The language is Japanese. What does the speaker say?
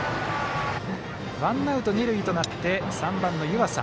ワンアウト、二塁となって３番、湯浅。